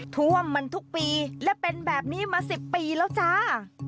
ท่วมมันทุกปีและเป็นแบบนี้มา๑๐ปีแล้วจ้า